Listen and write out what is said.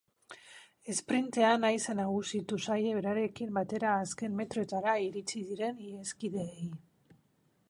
Esprintean aise nagusitu zaie berarekin batera azken metroetara iritsi diren iheskideei.